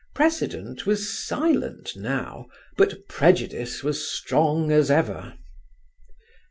Precedent was silent now but prejudice was strong as ever.